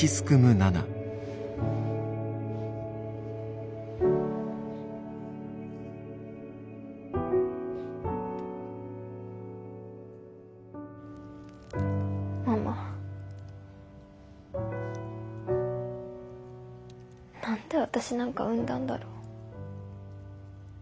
何で私なんか産んだんだろう。